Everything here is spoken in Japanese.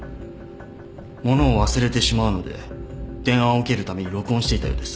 ものを忘れてしまうので電話を受けるたびに録音していたようです。